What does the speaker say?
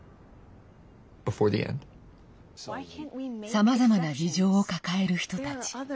さまざまな事情を抱える人たち。